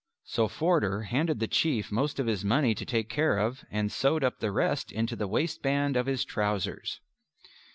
So Forder handed the Chief most of his money to take care of, and sewed up the rest into the waistband of his trousers.